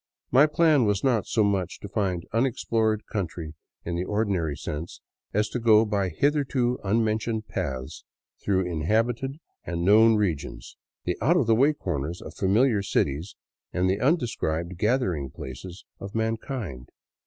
My plan was not so much to find unexplored country in the ordinary sense, as to go by hitherto unmentioned paths through inhabited and known regions, the out of the way corners of familiar cities and the undescribed gathering places of mankind.